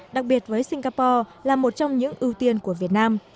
đặc biệt với singapore là một trong những ưu tiên của việt nam